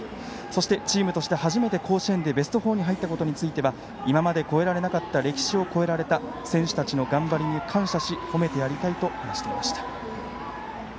そしてチームとして初めて甲子園でベスト４に入ったことについては今まで超えられなかった歴史を超えられた選手たちの頑張りに感謝し褒めてやりたいと話していました。